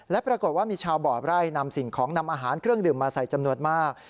และปรากฏว่ามีชาวบ่อไร่นำสิ่งของนำอาหารเครื่องดื่มมาใส่จำนวนมาก